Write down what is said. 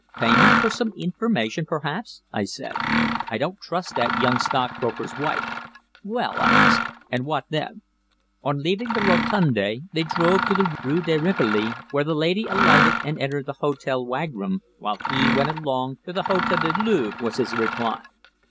"Payment for some information, perhaps," I said. "I don't trust that young stockbroker's wife. Well?" I asked. "And what then?" "On leaving the Rotonde they drove to the Rue de Rivoli, where the lady alighted and entered the Hôtel Wagram, while he went along to the Hôtel du Louvre," was his reply.